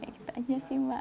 ya gitu aja sih mbak